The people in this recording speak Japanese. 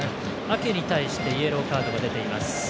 アケに対してイエローカードが出ています。